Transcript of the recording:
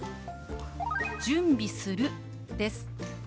「準備する」です。